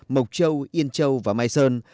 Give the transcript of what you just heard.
mộc châu yên châu và mai sơn